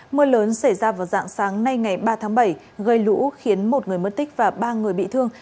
mưa lớn xảy ra vào dạng sáng nay ngày ba tháng bảy gây lũ khiến một người mất tích và ba người bị thương